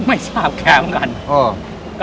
ไม่ทราบแค่เหมือนกัน